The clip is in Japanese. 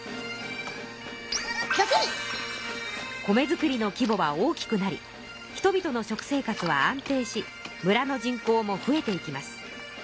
米作りの規ぼは大きくなり人々の食生活は安定し村の人口も増えていきます。